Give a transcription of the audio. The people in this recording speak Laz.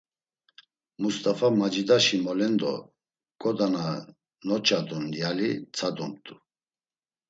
Must̆afa, macidaşi melendo, ǩoda na noç̌adun yali tsadumt̆u.